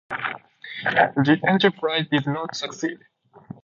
The enterprise did not succeed.